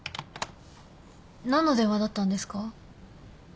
何の電話だったんですか？